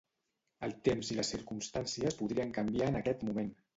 El temps i les circumstàncies podrien canviar en aquest moment.